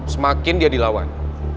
semakin dia dilawan